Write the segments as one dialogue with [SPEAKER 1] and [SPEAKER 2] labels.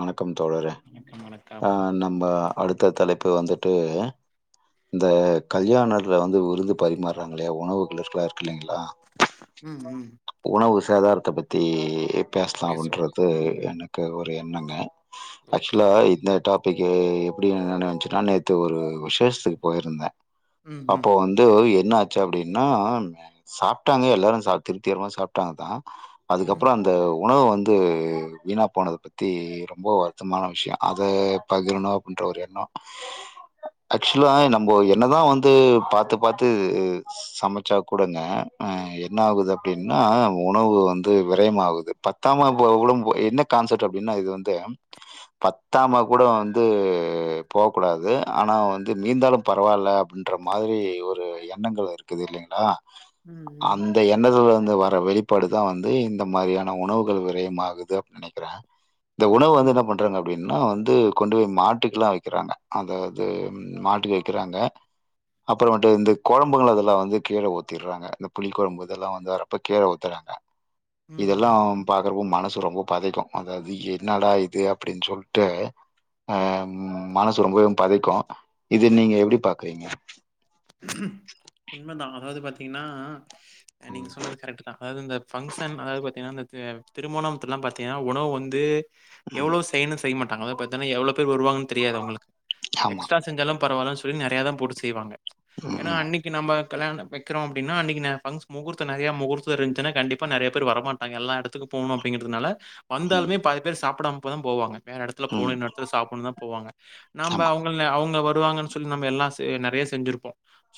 [SPEAKER 1] வணக்கம் தோழரே
[SPEAKER 2] வணக்கம் வணக்கம்
[SPEAKER 1] ஆஹ் நம்ப அடுத்த தலைப்பு வந்துட் டு இந்த கல்யாண அதுல வந்து விருந்து பரிமார்றாங்க இல்லயா உணவு [unintelligible] இல்லைங்களா
[SPEAKER 2] ம், ம்.
[SPEAKER 1] உணவு சேதாரத்த பத்தி பேசலா
[SPEAKER 2] பேசுவோம்.
[SPEAKER 1] அப்டின்றது
[SPEAKER 2] ம்.
[SPEAKER 1] எனக்கு ஒர் எண்ணங்க
[SPEAKER 2] ஓகே.
[SPEAKER 1] ஆக்சுவ்லா இந்த டாப் பிக்கு எப்டி நெனவு வந்ச்சுனா நேத்து ஒரு விசேஷ்த்துக்கு போயிருந்தே
[SPEAKER 2] ம், ம்.
[SPEAKER 1] அப்போ வந்து எ ன்னாச்சு அப்டின்னா சாப்ட்டாங்க எல்லாரு சா திருப் திகரமா சாப்ட்டாங்க தா
[SPEAKER 2] ம்,
[SPEAKER 1] அதுக்கப்ற அந்த உணவு வந்து வீணா போனத பத்தி ரொம்ப வருத்தமான விஷ்ய அத பகிரணு அப்டின்ற ஒரு எண்ணோ ஆக்சுவலா நம்போ என்னதா வந்து பாத்து பாத்து சமச்சா கூடங்க அஹ் என்னாகுது அப்டின்னா உணவு வந்து விரையமாவுது பத்தாமா போக கூடம் போ என்ன கான்செப்ட் அப்டின்னா இது வந்து பத்தாமா கூட வந்து போகக் கூடாது ஆனா வந்து மீந்தாலு பரவால்ல அப்டின்ற மாரி ஒரு எண்ணங்கள் இருக்குது இல்லைங்ளா
[SPEAKER 2] ம், ம்,
[SPEAKER 1] அந்த எண்ணத்துல வர வெளிப்பாடு தா வந்து இந்த மாரியான உணவுகள் விரயம் ஆகுது அப்டின் நெனைக்கிறே இந்த உணவு வந்து என்ன
[SPEAKER 2] ம்,
[SPEAKER 1] பண்றாங்க அப்டின்னு னா வந்து கொண்டு போய் மாட்டுக்லா வெக்கிறாங்க அதாவ்து மாட்டுக்கு வெக்கிறாங்க அப்பறமேட்டு இந்த கொழம்புங்கள் அதெல்லா வந்து கீழ ஊத்திர்றாங்க இந்த புளி கொழம்பு இதெல்லா வந்து வேர இப்ப கீழ ஊத்துறாங்க
[SPEAKER 2] ம், ம்.
[SPEAKER 1] இதெல்லாம் பாக் கறவும் மனசு ரொம்ப பதைக்கு அதாவ்து என்னடா இது அப்டின் சொல்ட்டு அஹ் மனசு ரொம்பவு பதைக்கு இத நீங்க எப்டி பாக்குறீங்க
[SPEAKER 2] டினா அஹ் நீங்க
[SPEAKER 1] ம்,
[SPEAKER 2] சொன்னது கரெக்ட்டு தா அதாவ்து இந்த ஃபங்க்ஷன் அதாவ்து பாத்தீங்னா அந்த திம் திருமணம்த்துலா பாத்திங்கனா உணவு வந்து
[SPEAKER 1] ம்,
[SPEAKER 2] எவ்ளோ செய்ணு செய் மாட் டாங்கவே பாத்தன எவ்ளோ பேர் வருவாங்கன் தெரியாது அவ்ங்களுக்கு
[SPEAKER 1] ஆமா.
[SPEAKER 2] எக்ஸ்ட்ரா செஞ்சாலும் பரவால்லன் சொல்லி நெறையா தா போட்டு செய்வாங்க
[SPEAKER 1] ம்,
[SPEAKER 2] ஏனா
[SPEAKER 1] ம்,
[SPEAKER 2] அன்னிக்கு நம்ப கல்யாணம் வெக்றோ அப்டின்னா அன்னிக்கு நா பங்ஸ் முகூர்த்த நறைய முகூர்த்தோ இருந்துச்ன்னா கண்டிப்பா நறையா பேர் வரமாட்டாங்க எல்லா எடத்துக்கு போணு அப்டிங்கறதுனால
[SPEAKER 1] ம்,
[SPEAKER 2] வந்தாலுமே பாதி பேர் சாப்டாம இப்போத போவாங்க வேற எடத்துல போணு
[SPEAKER 1] ம்,
[SPEAKER 2] இன்னோர் எடத்துல சாப்டணு தா போவாங்க நம்ம
[SPEAKER 1] ஆமா.
[SPEAKER 2] அவுங்ல அவுங்க டுவாங்கன் சொல்லி நம்ம எல்லா நெறைய செஞ்சிருப்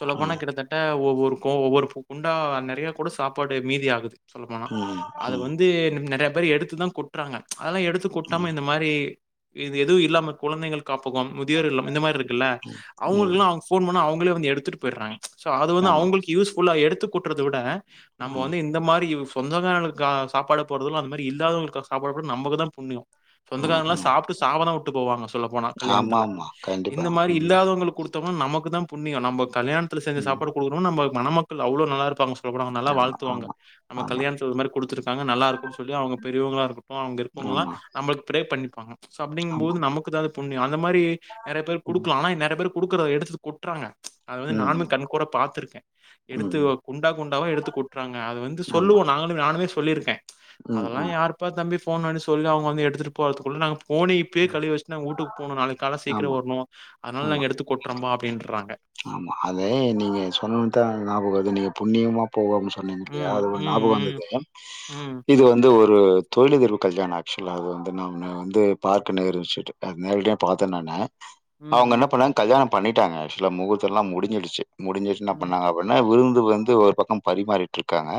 [SPEAKER 2] சொல்ல போனா
[SPEAKER 1] ம்,
[SPEAKER 2] கிட்டத்தட்ட ஒ ஒருக்கோ ஒவ்வொரு பு குண்டா நறைய கூட சாப்பாடு மீதி ஆகுது சொல்ல போனா
[SPEAKER 1] ம்,
[SPEAKER 2] அது
[SPEAKER 1] ம்,
[SPEAKER 2] வந்து நறைய ந்த மாறி எடுத்துதா கொட்றாங்க அதெல்லா எடுத்து கொட்டாம
[SPEAKER 1] ம்,
[SPEAKER 2] இந்த மாரி இது எதுவு இல்லாம குழந்தைகள் காப்பகம் முதியோர் இல்லம் இந்த மாரி இருக்குல
[SPEAKER 1] ம், ம்,
[SPEAKER 2] அவுங்களுக்குல்லா அவுங்க போன் பண்ணா அ ங்களே வந்து எடுத்துட்டு போயிறாங்க சோ அது வந்து
[SPEAKER 1] ஆமா.
[SPEAKER 2] அவுங்ளுக்கு யூஸ்ஃபுல்லா எடுத் து கொட்றத விட நம்ம
[SPEAKER 1] ம்,
[SPEAKER 2] வந்து இந்த மாரி சொந்தக்காரனுங்ளுக்க சாப்பாடு போடுறதல அந்த மாரி இல்லாதவளுக்கு சாப்பாடு போட்டா நமக்கு தா புண்ணியோ
[SPEAKER 1] ம்,
[SPEAKER 2] சொந்தக்காரலா
[SPEAKER 1] ம்.
[SPEAKER 2] சாப்ட்டு சாபந்தா விட்டு டு போவாங்க சா சொல்ல போனா கல்யாணத்துல
[SPEAKER 1] ஆமாமா. கண்டிப்பா.
[SPEAKER 2] இந்த மாரி
[SPEAKER 1] ம்,
[SPEAKER 2] இல்லாதவங்களுக்கு குடு தொம்னா நமக்கு தா புண்ணியோ நம்போ கல்யாணத்துல செஞ்ச
[SPEAKER 1] ம்.
[SPEAKER 2] சாப்பாடு குடுக்கணு நம்ம மண மக்கள் அவ்ளோ நல்லா இருப்பாங்க சொல்ல போனா அவங்க நல்லா
[SPEAKER 1] ஆமா,
[SPEAKER 2] வாழ்த்துவாங்க
[SPEAKER 1] ஆமா,
[SPEAKER 2] நம்ம
[SPEAKER 1] ஆமா,
[SPEAKER 2] கல்யாணத்துல இந்த மாரி குடுத்திருக்காங்க நல்லா இருக்குன் சொல்லி அவங்க பெரியவங்களா போ அங்க இருக்கவங்ல்லா
[SPEAKER 1] ஆமா,
[SPEAKER 2] நம்மளுக்கு ப்ரே பண்ணி [unintelligible] சோ
[SPEAKER 1] ஆமா.
[SPEAKER 2] அப்படிங்போது நமக்கு தாது புண்ணியா அந்த மாரி நெறைய பேர்
[SPEAKER 1] ம்,
[SPEAKER 2] குடுக்கலா ஆனா நெறைய பேருக் குடுக்குறத எடுத்து கொட் ட்ராங்க அதது நானுமே
[SPEAKER 1] ம்,
[SPEAKER 2] கண்கூட பாத்துருக்கே
[SPEAKER 1] ம்,
[SPEAKER 2] எடுத்து
[SPEAKER 1] ம்.
[SPEAKER 2] குண்டா குண்டாவா எடுத்து கொட்டுறாங்க அது வந்து
[SPEAKER 1] ஆமா.
[SPEAKER 2] சொல்லுவோ நாங்களு நானுமே சொல்லியிருக்கே
[SPEAKER 1] ம்,
[SPEAKER 2] அதெல்லா
[SPEAKER 1] ம்.
[SPEAKER 2] யாருப்பா தம்பி ஃபோன் பண்ணி சொல்ல அவுக வந்து எடுதுட்டு போறதுக்குள்ள நாங் ஃபோன இப்பே கழுவி வெச்சுட்டு நாங்க ஊட்டுக்கு போனோ நாளைக்கு கால்ல சீக்கிர
[SPEAKER 1] ஆமா,
[SPEAKER 2] வருனோமா அதனால
[SPEAKER 1] ஆமா,
[SPEAKER 2] நாங்க எடுத்து கொட்றோம்பா அப்டின்று
[SPEAKER 1] ஆமா அதே நீங்க சொன்னுன்தா ஞாபக வருது நீங்க புண்ணியமா போகம்ன்னு சொன்னீங்க இல்லையா
[SPEAKER 2] ம்,
[SPEAKER 1] அது ஒரு
[SPEAKER 2] ம்,
[SPEAKER 1] ஞாபகம்
[SPEAKER 2] ம்,
[SPEAKER 1] வந்தது
[SPEAKER 2] ம்,
[SPEAKER 1] இது வந்து ஒரு ஒரு தொழிலதிர்வு கல்யாண ஆக்சுவலா அது வந்து நா நா வந்து பார்க்க நேரு விசிட்டு நேரடியா பாத்தே நானே அவுங்க
[SPEAKER 2] ம்,
[SPEAKER 1] என்னா பண்ணாங்க கல்யாணம் பண்ணிட்டாங்க ஆக்சுவலா முகூர்த்தல்லா முடிஞ்சிடுச்சு முடிஞ்சிர்சு என்னா
[SPEAKER 2] ம்,
[SPEAKER 1] பண்ணாங்க அப்டின்னா விருந்து து வந்து ஒரு பக்கம் பரிமாறிட்டுருக்காங்க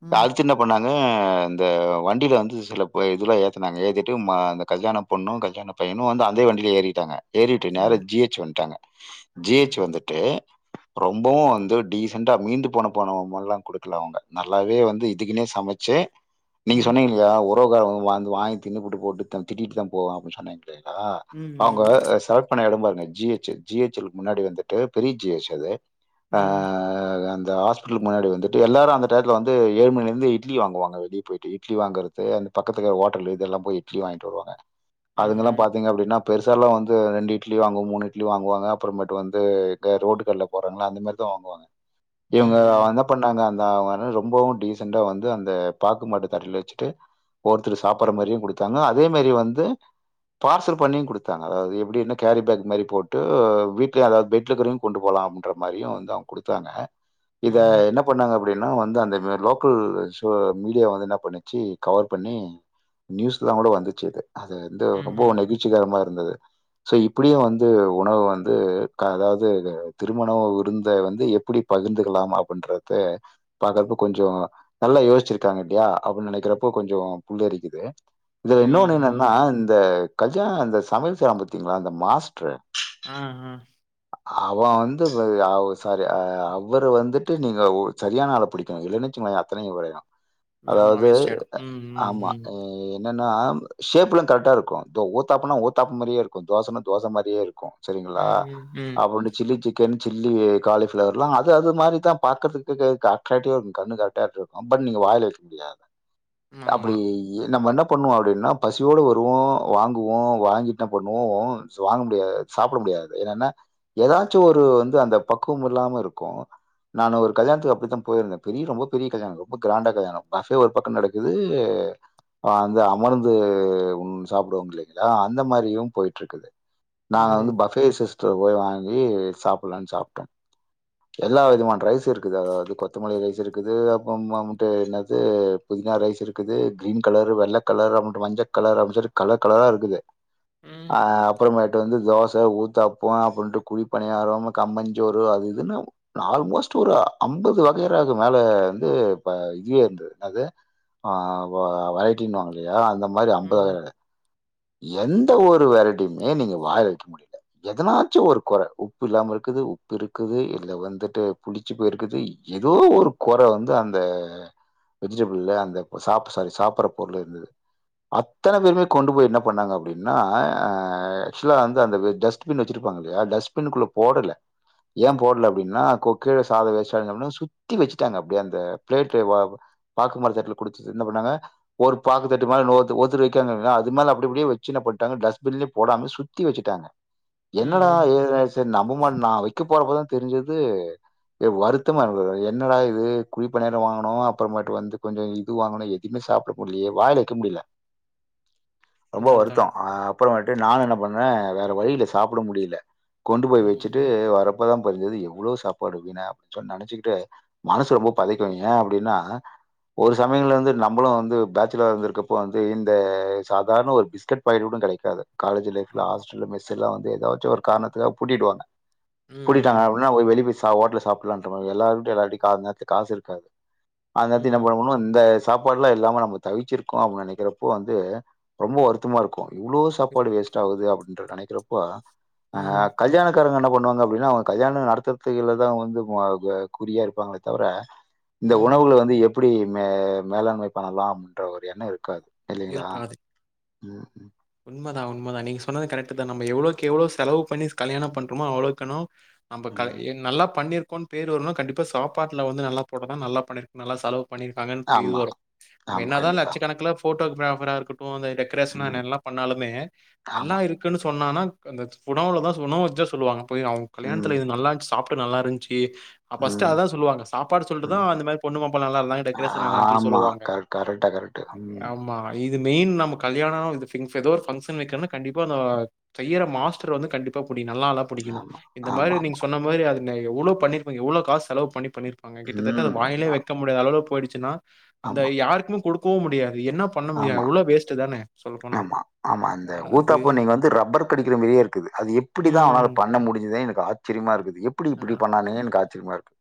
[SPEAKER 2] ம்,
[SPEAKER 1] அடுத்து என்ன பண்ணாங்க என்னாங்கே இந்த வண்டில வந்து சில ப இதுலா ஏத்துனாங்க ஏத்திட்டு மா அந்த கல்யாண பொண்ணு கல்யாண பையனு அந்து அதே வண்டில ஏறிட்டாங்க ஏறிட்டு நேரா
[SPEAKER 2] ம், ம்,
[SPEAKER 1] ஜி ஹெச் வந்ட்டாங்க ஜி ஹச்
[SPEAKER 2] ம்,
[SPEAKER 1] வந்துட்டு ரொம்பவோ வந்து டீசண்டா மீந்து போன போனவ மார்லா குடுக்கல அவுங்க நல்லாவே வந்து இதுக்கினே சமைச்ச நீங்க
[SPEAKER 2] ம்,
[SPEAKER 1] சொன்னீங்க இல்லியா ஒரு புரோகிராவனுக வந்து வாங்கி தின்னுபுட்டு போட்டு தானு திட்டிட்டுதா போவே அப்பின் சொன்னே டேங்ளா
[SPEAKER 2] ம், ம்,
[SPEAKER 1] அவுங்க செலக்ட் பண்ண எடோ பருங்க ஜி எச் சு ஜி எச் முன்னாடி வந்துட்டு பெரிய ஜி எச் அது ஆ அந் தா ஹாஸ்பிட்டல் முன்னாடி வந்துட்டு எல்லாரோ அந்த டையத்துல வந்து ஏழு மணில இந்து இட்லி வாங்குவாங்க வெளிய போயிட்டு இட்லி வாங்குறது அந்த பக்கத்துக ஹோட்டலு இதெல்லா போயி இட்லி வாங்கிட்டு வருவாங்க அதுங்கெல்லா
[SPEAKER 2] ம்,
[SPEAKER 1] பாத்தீங்க அப்டினா பெருசாலா வந்து ரெண்டு இட்லி வாங்குவு மூணு இட்லி வாங்குவாங்க அப்றமேட்டு வந்து க ரோட்டு கட்ல போறாங்கள அந்த மாரிதா வாங்குவாங்க இவுங்க வ என்ன பண்ணாங்க அந் நா வரே ரொம்பவு டீசண்டா வந்து அந்த பாக்கு மட்ட தட்ல வெச்சுட்டு ஒருத்தரு சாப்பற மாரியு குடு தாங்கோ அதே மாரி வந்து பார்சல் பண்ணியு குடுத்தாங்க அதாவது எப்டி என்ன கேரி பேக் மாரி போட்டு வீட்டு அதாவது பெட்ல இருக்கரவு கொண்டு போலா அப்டின்ற மாரியு வந்து அவுங்க கொடுத்தாங்க இத என்ன பண்ணாங்க அப் டினா வந்து அந்த மாரி லோக்கல் ஷோ மீடியா வந்து என்னா பண்ணிச்சு கவர் பண்ணி நியூஸ் லா கூட வந்துச்சு அது அது வந்து
[SPEAKER 2] ம்,
[SPEAKER 1] ரொம்ப நெகிழ்ச்சிகரமா இரு இர்ந்தது ச இப்டியு வந்து உணவு வந்து அதாவ்து திருமணொ விருந்த வந்து எப்டி பகிர்ந்துகலாம் அப்டின்றத பாக்குறப்ப கொஞ்சொ நல்லா யோசிச்சிருகாங்கல்லயா அப்டினு நெனக்கிறப்போ கொஞ்சொ புள்ளரிக்குது இதுல
[SPEAKER 2] ம்,
[SPEAKER 1] இன்னொன்னு என்னனா
[SPEAKER 2] ம்,
[SPEAKER 1] இந்த கஜானந்த சமையல் செய்வாங்க பாத்தீங்களா இந்த மாஸ்ட்ரு
[SPEAKER 2] ஆ ஆ
[SPEAKER 1] அவ வந்து அவ் சாரி அவரு வந்துட்டு நீங்க செரியான ஆள புடிக்கணு இல்லனூச்சுகோயே அத்தனயூ போயிரூ
[SPEAKER 2] ஆமா
[SPEAKER 1] அதாவ்து
[SPEAKER 2] வேஸ்ட் ஆயிடும். ம்,
[SPEAKER 1] ஆமா
[SPEAKER 2] ம்,
[SPEAKER 1] இ என்னனா ஷேப்லா கரெக்டா இருக்கூ ஊத்தாப்புனா ஊத்தாப்பு மாரியே இருக்கூ தோசனா தோச‌ மாரியே இருக்கூ செரிங்களா
[SPEAKER 2] ம், ம், ம், ம்,
[SPEAKER 1] அபண்டு சில்லி சிக்கன் சில்லி காலிஃபிளவர்லா அது அது மாரிதா பாக்றதுக்கு க அட்ராக்டிவா இருக்கூ கண்ணு கரெக்டா இழுக்கூ பட் நீங்க வாயில வெக் முடியாது
[SPEAKER 2] ஆமா.
[SPEAKER 1] அப்டி நம்ம என்னப் பண்ணுவாடினா பசியோடு வருவோ வாங்குவோ வாங்கிட்ட பண்ணுவோ ஸ்வாங்க முடியாது சாப்ட முடியாது என்னனா ஏதாச்சு ஒரு வந்து அந்த பக்கும் இல்லாம இருக்கு நானு ஒரு கல்யாண்த்துகு அப்டிதா‌‌ போயிருந்தே பெரிய ரொம்ப பெரிய கல்யாணொ ரொம்ப க்ராண்டா கல்யாணொ பஃபே ஒரு பக்கோ நடக்குது ஆ ந்து அமர்ந்து உண் சாப்டுவாங்கிலிங்ளா அந்த மாரியு போயிட்ருக்குது நாங்க
[SPEAKER 2] ம்,
[SPEAKER 1] வந்து
[SPEAKER 2] ம்,
[SPEAKER 1] பஃபே சிஸ் தொ போய் வாங்கி சாப்லான் சாப்டே எல்லா வகையுமான் ரைஸு இருக்குது அதாது கொத்தமல்லி ரைஸுருக்குது அப்பம் மம்டே என்னது புதினா ரைஸுருக்குது க்ரீன் கலரு வெள்ள கலர் அம்டு மஞ்ச கலரு அப்டினு சொல்லி கலர் கலரா இருக்குது
[SPEAKER 2] ம்,
[SPEAKER 1] அ அப்றமேட் டு வந்து தோச ஊத்தாப்போ அப்றன்ட்டு குழி பணியாரோ கம்பஞ்சோறு அது இதுனு ஆல்மோஸ்ட் ஒரு அம்பது வகையறாகு மேல வந்து ப இதிலே இருந்தது என்னது ஆ ல வைகிங் வாங்கலியா‌ அந்தப் மாரி அம்பது
[SPEAKER 2] ம்,
[SPEAKER 1] என் த ஒரு வெரைட்டியுமே நீங்க வாய்ல வெக்க முடியல எதனாச்சு ஒரு கொற உப்பில்லாம இருக்குது உப்பிருக்குது இல்ல வந்துட்டு புளிச்சு போயிருக்குது ஏதோ ஒரு கொற வந்து அந்த வெஜிடபுள்ல அந்த சாப் சாரி சாப்றப் பொருள் இருந்தது அத்தன பேருமே கொண்டு போய் என்ன பண்ணாங்க அப்டினா ஆ ஆக்சுவலா வந்து அந்த டஸ்ட்பின் வச்சிருப்பாங்கலையா டஸ்டபினுக்குள்ள போடல ஏ போடல அப்டினா கொ கீழ [unintelligible] சுத்தி வெச்சுட்டாங்க அப்டி அந்த பிளேட்டு பாக்குமர தட்ல குடுத் என்ன பண்ணாங்க ஒரு பாக்குதட்டு மாரி இன்னோர்த் ஒருத்தர் வெக்காங்க அது மேல அப்டப்டியே வெச்சு என்ன பண்டாங்க டஸ்ட்பின்லேய போடாம சுத்தி வெச்சுட்டாங்க என்னடா
[SPEAKER 2] ம்,
[SPEAKER 1] எதாய்ச்சு நம்ம பண்ணா வெக்க போறப்போ தெரிஞ்சுது வருத்தமா இருந்தது என்னடா இது குழி பணியாரொ வாங்குனோ அப்றமேட்டு வந்து கொஞ்சொ இது வாங்குனோ எதுமே சாப்டப் முடிலியே வாய்ல வெக்க முடில ரொம்ப
[SPEAKER 2] அதான்
[SPEAKER 1] வருத்தோ
[SPEAKER 2] அதான்.
[SPEAKER 1] அப்றோ வன்ட்டு நாங்கென்ன பண் ணே வேற வழியில்ல சாப்ட முடில கொண்டு போய் வெச்சுட்டு
[SPEAKER 2] ம்,
[SPEAKER 1] வரப் போ தா புரிஞ்சிது எவ்ளோ சாப்பாடு வீணாய் அப் சொ நனைச்சிக்கிட்டே மனசு ரொம்ப பதைக்கோ ஏ அப்டின்னா ஒரு சமயங்களல வந்து நம்மளூ வந்து பேச்சுலரா இருந்திருக்கப்போ வந்து இந்த சாதாரண ஒரு பிஸ்கெட் பாக்கெட் கூட கெடைக்காது காலேஜ் லைஃப்ல
[SPEAKER 2] ஆமா.
[SPEAKER 1] ஹாஸ்டல மெஸ் எல்லா ஏதாச்சுஒரு காரணத்துக்காக பூட்டிடுவாங்க
[SPEAKER 2] ம்,
[SPEAKER 1] பூட்டிட்டாங்க
[SPEAKER 2] ம்.
[SPEAKER 1] அப்டின்னா போய் வெளி போய் ஸ் தா ஓட்டல்ல சாப்பிடலான்ற மா எல்லாருட்டூ எல்லார்டயூ கா நேத்து காசு இருக்காது அந்தத்தி என்ன
[SPEAKER 2] ம்.
[SPEAKER 1] பண்ணோம்னா இந்த ஸ் சாப்பாட்லா இல்லாம நம்ளுக் தவிச்சிருக்கு அப்படின் நெனைக்கிறப்போ வந்து ரொம்போ வருத்தமா இருக்கு இவ்ளோ சாப்பாடு
[SPEAKER 2] இருக்கும்.
[SPEAKER 1] வேஸ்டாகுதே அப்டி என்று நெனைக்குறப்பா
[SPEAKER 2] ம்,
[SPEAKER 1] ஆஹ் கல்யாண காரங்க என்ன பண்ணுவாங்க அப்படின்னா அவங்க கல்யாணம் நடத்துறதுக்கிலதா வந்து மொ அ குறியா இருப்பாங்களே தவிர இந்த
[SPEAKER 2] ம்.
[SPEAKER 1] உணவுகள வந்து எப்புடி மே மேலாண்மை பண்ணலாம் ன்ற ஒரு எண்ண இருக்காது இல்லைங்களா உம் ம்
[SPEAKER 2] உண்மதா உண்தா நீங்க சொன்னது கரெக்டதா நம்ம எவ்ளோக் எவ்ளோ செலவு பண்ணி கல்யாண பண்றமோ அவ்ளோக்காணு நம்ப கல்
[SPEAKER 1] ம்.
[SPEAKER 2] நல்லா பண்ணிருக் கொன் பேர் வர்னு கண்டிப்பா சாப்பாட்டுல வந்து நல்லா போட்டாதா நல்லா பண்ணிருக்கு நல்லா செலவு பண்ணிருக்காங்கன்ட்டு இது
[SPEAKER 1] ஆமா,
[SPEAKER 2] வரு நம்ம
[SPEAKER 1] ஆமா.
[SPEAKER 2] என்னதா
[SPEAKER 1] கண்டிப்பா.
[SPEAKER 2] லட்சக்கணக்குல ஃபோட்டோகிராபர இருக்கட் டு அந்த டெக்கரேஷனன்
[SPEAKER 1] ம்.
[SPEAKER 2] எல்லா லுமே நல்லா
[SPEAKER 1] ஆமா.
[SPEAKER 2] இருக்குன்னு சொ சொன்னானா அந்த உணவுலதா சொ உணவு வச்சுதா சொல்லுவாங்க போய் அவங்க
[SPEAKER 1] ம்,
[SPEAKER 2] கல்யாணத்துல இது நல்லா இருஞ்சு சாப் ப்ப நல்லா இருந்ச்சு கி அ ஃபஸ்ட்
[SPEAKER 1] ம்,
[SPEAKER 2] அதா சொல்லுவாங்க சாப்பாடு சொல்ட்டுதா
[SPEAKER 1] ம்.
[SPEAKER 2] அந்தமாரி பொண்ணு மாப்ள நல்லா இருந்தாங்க டெக்கரேஷன் நல்லா இருந்துச்சுன்னு
[SPEAKER 1] ஆமா.
[SPEAKER 2] சொல்லுவாங்க
[SPEAKER 1] கரெக்ட் கரெக்ட்டா கரெக்ட்டு. ம்.
[SPEAKER 2] ஆமா இ இது மெயின் நம்ம கல்யாணொ இது திங்ஸ் எதோ ஒரு பங்ஷன் வைக்கன்னா கண்டிப்பா அந்த செய்யற மாஸ்டர் வந்து கண்டிப்பா புடி நல்ல ஆளா புடிக்கனு
[SPEAKER 1] ஆமா,
[SPEAKER 2] இந்த மாதிரி நீங்க
[SPEAKER 1] ஆமாமா.
[SPEAKER 2] சொன்ன மாதிரி அது ன்ன எவ்ளோ பண்ணிருக்கிங் எவ்ளோ காசு செலவு பண்ணி பண்ணிருப்பாங்க கிட்டத்தட்ட அத
[SPEAKER 1] ம்.
[SPEAKER 2] வாயிலே
[SPEAKER 1] ஆ-
[SPEAKER 2] வெக்க முடியாத அளோளொ போயிடு சுனா அந்த
[SPEAKER 1] ஆமா,
[SPEAKER 2] யாருக்குமே குடுக் கோவ் முடியாது அது என்ன பண்ண முடியு அவ்ளோ வேஸ்ட் தானே சொல்லப்போனா
[SPEAKER 1] மா ஆமா அந்த
[SPEAKER 2] அது
[SPEAKER 1] ஊத்தாப்போ நீங்க வந்து ரப்பர் கடிக்கிற மாரியே இருக்குது அது எப்புடிதா
[SPEAKER 2] ம்.
[SPEAKER 1] அவனால பண்ண முடிஞ்சிதே எனக்கு ஆச் ச்சரியமா இருக்குது எப்புடி
[SPEAKER 2] அ
[SPEAKER 1] இப்புடி பண்ணானங்கன்னு காத் சிரியமாருக்கு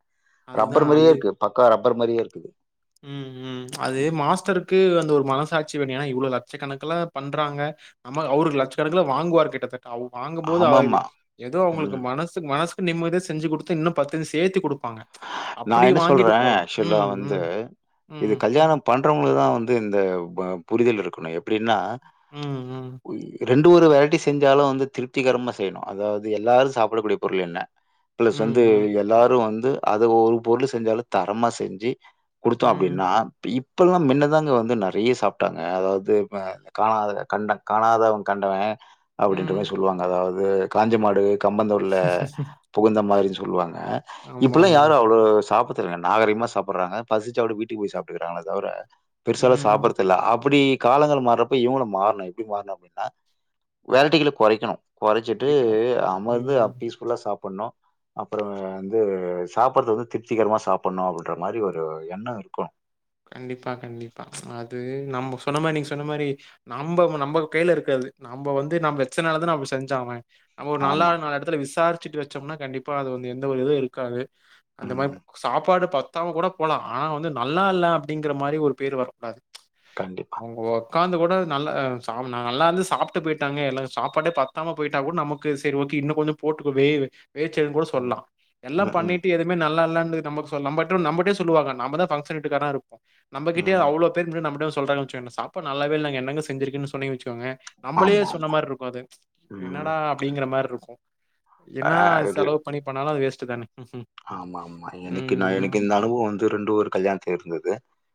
[SPEAKER 1] ரப்பர்
[SPEAKER 2] அதுதான்
[SPEAKER 1] மாரியே
[SPEAKER 2] அது.
[SPEAKER 1] இருக்கு பக்கா ரப் பர் மாரியே இருக்குது
[SPEAKER 2] ம் ம் அது
[SPEAKER 1] ம்.
[SPEAKER 2] மாஸ்டருக்கு அந்த ஒரு மனசாட் ச்சி வேனு ஏனா இவ்ளோ லட்சக்கணக்குல பண்றாங்க அம்மா அவுரு லட்சக்கணக்குல வாங்குவார் கிட்டத்தட் ட்வ் வாங்கும் போது அவருக்கு
[SPEAKER 1] ஆமாமா.
[SPEAKER 2] ஏதோ அவங்களுக்கு
[SPEAKER 1] ம்.
[SPEAKER 2] மனசுக்கு மனசு ம் நிம்மதியா செஞ்சி குடுத்து இன்னு பத்து சேத்தி குடுப் பாங்க அப்புடி
[SPEAKER 1] நான் என்ன
[SPEAKER 2] வாங்கிட்டு
[SPEAKER 1] சொல்றேன்,
[SPEAKER 2] போலா
[SPEAKER 1] ஆக்சுவலா
[SPEAKER 2] ம்
[SPEAKER 1] வந்து
[SPEAKER 2] ம்
[SPEAKER 1] இது
[SPEAKER 2] ம்,
[SPEAKER 1] கல்யாணோ பண் பண்றவங்களுக்கு தா வந்து இந்த ப புரிதல் இருக்கணு எப்புடின்னா
[SPEAKER 2] ம், ம்,
[SPEAKER 1] உய்யு ரெண்டு ஒரு வெரைட்டி செஞ்சாலு வந்து திருப்திகரமா செய்ணு அதாவ்து எல்லாரு சாப்டக்கூடிய பொருள் என்ன
[SPEAKER 2] ம்,
[SPEAKER 1] ப்ளஸ் வந்து
[SPEAKER 2] ம்,
[SPEAKER 1] எல்லாரு வந் அத ஒரு பொருள் செஞ்சாலு தரமா செஞ்சி குடுத்தோ அப்டின்னா
[SPEAKER 2] ம்,
[SPEAKER 1] அப்பல்லா மின்னதாங்க வந்து நெறைய சாப்ட்டாங்க அதாவ்து ம காணாத கண்ட காணாதவ கண்டவ அப்டின்ற மாரி
[SPEAKER 2] ம்.
[SPEAKER 1] சொல்லுவாங்க அதாவ் து காஞ்ச மாடு கம்பந்தூர்ல புகுந்த மாரின் சொல்லுவாங்க இப்பல்லா
[SPEAKER 2] ஆமாமா.
[SPEAKER 1] யாரு அவ்ளோ சாப் [unintelligible] நாகரிகமா சாப்புர்றாங்க பசிச்சாக்கூட வீட்டுக்கு போய் சாப்ட்டுக்குறாங்களே தவிர பெருசால்லா
[SPEAKER 2] ம்.
[SPEAKER 1] சாப்புர்றதில்ல அப்டி காலங்கள் மாறப்ப இவங்களு மாற்ணு எப்டி மாற்ணு அப்டின்னா வெரைட்டிகள கொறைக்கணு கொறச்சிட்டு
[SPEAKER 2] குறைக்கணும்.
[SPEAKER 1] அமர்ந்து அ
[SPEAKER 2] ம்.
[SPEAKER 1] பீஸ்ஃபுல்லா சாப் பண்ணோ அப்பறோ அ வந்து சாப்படுறது வந்து திருப்திகரமா சாப்படணும் அப்டின்ற மாரி ஒரு எண்ணம் இருக்கும்
[SPEAKER 2] கண்டிப்பா கண்டிப்பா அது நம்ப சொன்ன மாரி நீங்க சொன்ன மாரி நம்ப நம்ப கையில இருக்காது நம்ப வந்து நம்ம வச்சனாலதான் அப்டி செஞ்சா அவன் நம்ம ஒரு நல்லா
[SPEAKER 1] ஆமா
[SPEAKER 2] நாலு எடத்துல விசாரி ச்சிட்டு வச்சம்னா கண்டிப்பா அது வந்து எந்த ஒரு இதுவு இருக்காது அந்த மாரி
[SPEAKER 1] ம்
[SPEAKER 2] சாப்பாடு பத்தாம கூட போலா ஆனா வந்து நல்லால்ல அப்டிங்கற மாரி ஒரு பேர் வரக்கூடாது
[SPEAKER 1] கண்டிப்பா
[SPEAKER 2] அவுங்க உக்காந்து கூட நல்லா நல்லா இருந்து சாப்ட்டு போயிட்டாங்க எனக்கு சாப்பாட்டே பத்தாம போயிட்டா கூட நமக்கு சரி ஓகே இன்னும் கொஞ்சம் போட்டுக்கவே பேச்சு கூட
[SPEAKER 1] ம்
[SPEAKER 2] சொல்லலாம்
[SPEAKER 1] ம்
[SPEAKER 2] எல்லாம்
[SPEAKER 1] ம்
[SPEAKER 2] பண்ணிட்டு எதுவுமே நல்லா இல்ல நம்பட்டே நம்பட்டே சொல்லுவாங்க நம்பதான் பங்கசன் வீட்டுக்காரனா இருப்போம் நம்பகிட்டயே
[SPEAKER 1] ம்
[SPEAKER 2] அவ்வளோ பேர் [unintelligible] சொல்றாங்கனு வச்சுகங்க சாப்டு நல்லாவே இல்லங்க என்னங்க செஞ்சிருக்கிங்கனு சொன்னீங்கினு வெச்சுக்கோங்க நம்பளே
[SPEAKER 1] ஆமா ஆமா
[SPEAKER 2] சொன்ன மாரி இருக்கும் அது
[SPEAKER 1] ம்
[SPEAKER 2] என்னடா அப்புடிங்கிற மாரி இருக்கும்
[SPEAKER 1] அ
[SPEAKER 2] என்ன தா
[SPEAKER 1] இது
[SPEAKER 2] செலவு பண்ணி பண்ணாலும் அது வேஸ்ட் ச்சு தானே
[SPEAKER 1] ஆமா ஆமா
[SPEAKER 2] ம்,
[SPEAKER 1] எனக்கு நா
[SPEAKER 2] ம்.
[SPEAKER 1] எனக்கு இந்த அனுபவம் வந்து ரெண்டு ஒரு கல்யாணத்துல இருக் இருந்துது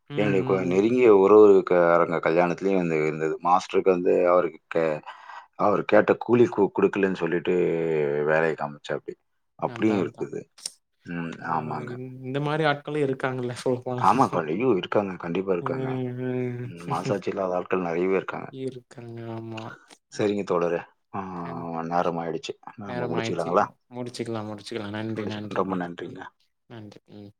[SPEAKER 2] ம்,
[SPEAKER 1] என்னுடைய
[SPEAKER 2] ம்.
[SPEAKER 1] [unintelligible]
[SPEAKER 2] ம்.
[SPEAKER 1] நெருங்கிய உறவு காரங்க கல்யாணத்துலயூ வந்து இருந்துது மாஸ்டருக்கு வந்து அவருக்கு அவரு கேட்ட கூலி கு குடுக்கலன்னு சொல்லீட்டு வேலைய காம்ச்சாபடி அப்டியூ
[SPEAKER 2] அதான் அதான்.
[SPEAKER 1] இருக்குது ம் ஆமாங்க
[SPEAKER 2] ந்த மாரி ஆட்களும் இருக்காங்கள
[SPEAKER 1] ஆமா காலியு இருக்காங்க கண்டிப்பா
[SPEAKER 2] ம்,
[SPEAKER 1] இருக்காங்க
[SPEAKER 2] ம்.
[SPEAKER 1] ம் மனசாட்சி இல்லாத ஆட்கள் நறையவே இருக்காங்க
[SPEAKER 2] இருக்காங்க.
[SPEAKER 1] சரிங்க தோழரே ஆ
[SPEAKER 2] கன்
[SPEAKER 1] நேரம் ஆயிடுச்சு. நம்ம
[SPEAKER 2] நேரம் ஆயிடுச்சி
[SPEAKER 1] முடிச்சுக்கலாங்களா?
[SPEAKER 2] முடிச்சுக்கலா முடிச்சுக்கலா நன்றி
[SPEAKER 1] முடிச்சுக்கலாம். ரொம்ப
[SPEAKER 2] நன்றிங்க ம் நன்றி ம்